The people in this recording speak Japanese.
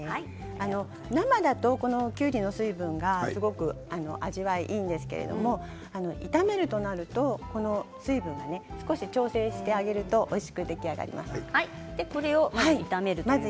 生だときゅうりの水分がすごく味わいがいいんですけど炒めるとなると、水分を少し調整してあげるとこれを炒めますね。